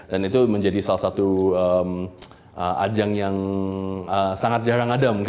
itu menjadi salah satu ajang yang sangat jarang ada mungkin